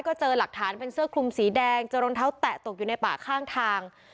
ก็เจอหลักฐานเป็นเสื้อคลุมสีแดงเจอรองเท้าแตะตกอยู่ในป่าข้างทาง